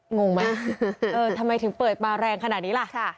งงไหมเออทำไมถึงเปิดมาแรงขนาดนี้ล่ะ